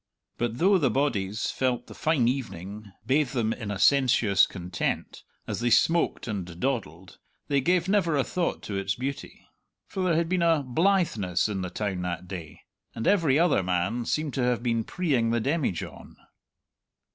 But though the bodies felt the fine evening bathe them in a sensuous content, as they smoked and dawdled, they gave never a thought to its beauty. For there had been a blitheness in the town that day, and every other man seemed to have been preeing the demijohn.